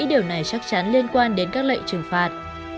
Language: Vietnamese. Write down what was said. điều này chắc chắn liên quan đến các lệnh trừng phạt